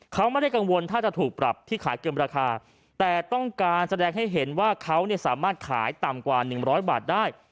เขาไม่ได้กังวลถ้าจะถูกปรับที่ขายเกินราคาแต่ต้องการแสดงให้เห็นว่าเขาสามารถขายต่ำกว่า๑๐๐บาทได้